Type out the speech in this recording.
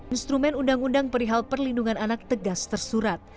instrumen undang undang perihal perlindungan anak tegas tersurat